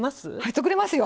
作れますよ。